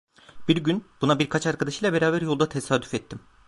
Bir gün buna birkaç arkadaşıyla beraber yolda tesadüf ettim.